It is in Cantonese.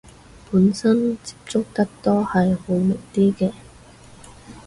本身接觸得多係會明啲嘅